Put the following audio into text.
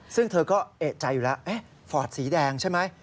ซึ่งเธอก็เอกใจอยู่แล้วฟอร์ดสีแดงใช่ไหม